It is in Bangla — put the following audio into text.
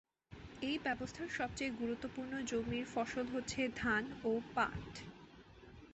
এই ব্যবস্থার সবচেয়ে গুরত্বপূর্ণ জমির ফসল হচ্ছে ধান ও পাট।